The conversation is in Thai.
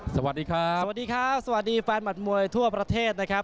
สวัสดีครับสวัสดีครับสวัสดีแฟนหัดมวยทั่วประเทศนะครับ